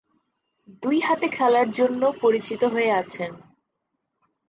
দুই হাতে খেলার জন্য পরিচিত হয়ে আছেন।